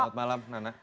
selamat malam nana